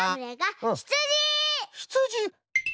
ひつじ？